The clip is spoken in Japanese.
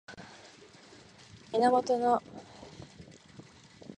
源義経は本当に平泉で死んだのか